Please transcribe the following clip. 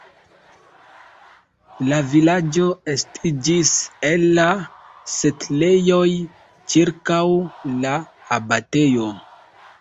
La vilaĝo estiĝis el la setlejoj ĉirkaŭ la abatejo.